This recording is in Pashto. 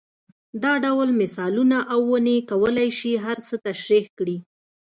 دا ډول مثالونه او ونې کولای شي هر څه تشرېح کړي.